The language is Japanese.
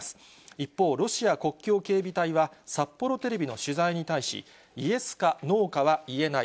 一方、ロシア国境警備隊は、札幌テレビの取材に対し、イエスかノーかは言えない。